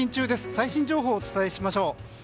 最新情報をお伝えしましょう。